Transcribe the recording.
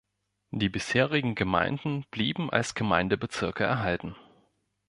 Die bisherigen Gemeinden blieben als Gemeindebezirke erhalten.